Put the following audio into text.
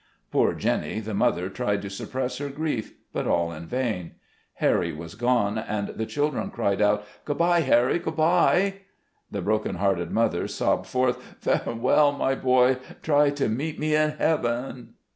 Poor Jenny, the mother, tried to suppress her grief, but all in vain. Harry was gone, and the children cried out, " Good by, Harry ; good by !" The broken hearted mother sobbed forth, " Farewell, my boy; try to meet me in heaven."